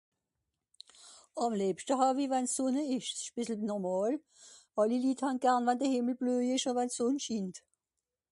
Àm lìebschte hàw-i wenn's Sùnne ìsch, s'ìsch e bìssel normàl... àlli Litt hàn garn, wenn de Hìmmel blöi ìsch ùn wenn d'Sùnn schinnt.